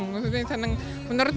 menurut mereka itu gosong itu matang